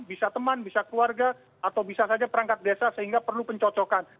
bisa teman bisa keluarga atau bisa saja perangkat desa sehingga perlu pencocokan